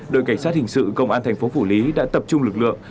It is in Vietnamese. đội cảnh sát hình sự công an thành phố phủ lý đã tập trung lực lượng